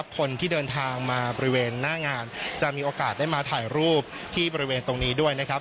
คนที่เดินทางมาบริเวณหน้างานจะมีโอกาสได้มาถ่ายรูปที่บริเวณตรงนี้ด้วยนะครับ